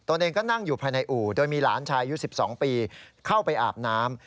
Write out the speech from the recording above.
ตัวเองก็นั่งอยู่ภายในอู่โดยมีหลานชายอายุ๑๒ปีเข้าไปอาบน้ำ